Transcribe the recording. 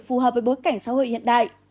phù hợp với bối cảnh xã hội hiện đại